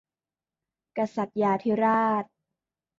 กษัตริยาธิราช